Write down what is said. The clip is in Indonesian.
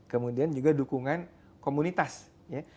kemudian juga dukungan komunitas ya